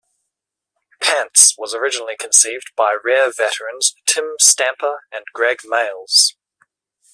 Pants was originally conceived by Rare veterans Tim Stamper and Gregg Mayles.